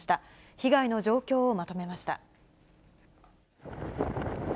被害の状況をまとめました。